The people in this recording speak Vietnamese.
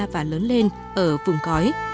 và lớn lên ở vùng cói